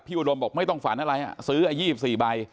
อุดมบอกไม่ต้องฝันอะไรซื้อ๒๔ใบ